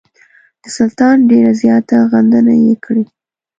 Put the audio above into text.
د سلطان ډېره زیاته غندنه یې کړې.